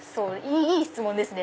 いい質問ですね。